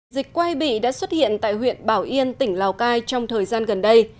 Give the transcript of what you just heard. dịch quay bị đã xuất hiện tại huyện bảo yên tỉnh lào cai trong thời gian gần đây